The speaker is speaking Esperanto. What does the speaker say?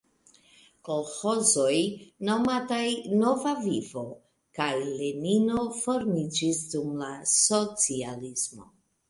Kolĥozoj nomataj "Nova Vivo" kaj Lenino formiĝis dum la socialismo.